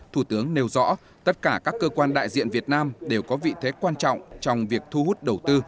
thủ tướng nêu rõ tất cả các cơ quan đại diện việt nam đều có vị thế quan trọng trong việc thu hút đầu tư